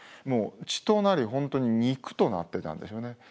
血となり本当に肉となってたんでしょうね。